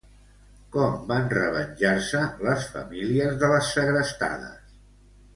Com van revenjar-se les famílies de les segrestades?